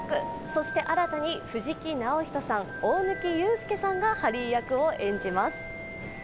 そして新たに藤木直人さん大貫勇輔さんがハリー役を演じます。